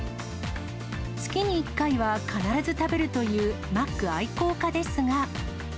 月に１回は必ず食べるというマック愛好家ですが。